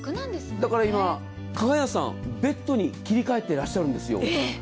だから加賀屋さん、今、ベッドに切り替えてらっしゃるんです。